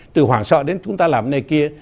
từ hoảng sợ đến chúng ta làm này kia